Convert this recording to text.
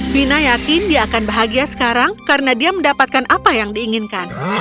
vina yakin dia akan bahagia sekarang karena dia mendapatkan apa yang diinginkan